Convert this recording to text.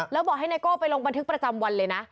แล้วบอกให้ไนโก้ไปลงบันทึกประจำวันเลยนะ